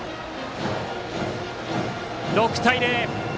６対０！